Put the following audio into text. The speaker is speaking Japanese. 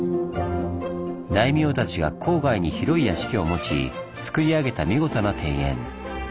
大名たちが郊外に広い屋敷を持ちつくり上げた見事な庭園。